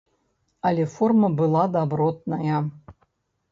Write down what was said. Але форма была дабротная!